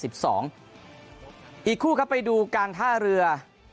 อีกคู่ครับไปดูการท่าเรือ